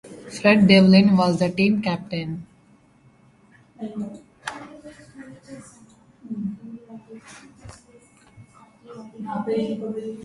Fred Devlin was the team captain.